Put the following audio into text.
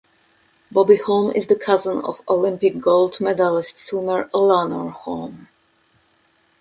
Bobby Holm is the cousin of Olympic gold medalist swimmer Eleanor Holm.